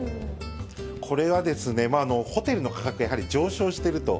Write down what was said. これは、ホテルの価格、やはり上昇してると。